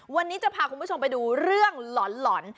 วันนี้จะพาคุณผู้ชมไปดูเรื่องหล่อน